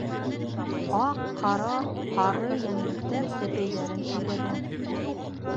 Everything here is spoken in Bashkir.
Аҡ, ҡара, һары йәнлектәр тәпәйҙәрен иҙәгән.